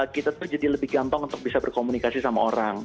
kita tuh jadi lebih gampang untuk bisa berkomunikasi sama orang